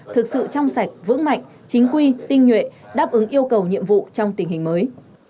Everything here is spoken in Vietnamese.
thực sự trong sạch vững mạnh chính quy tinh nhuệ đáp ứng yêu cầu nhiệm vụ trong tình hình mới